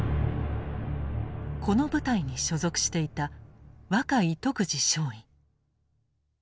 この部隊に所属していた若井徳次少尉。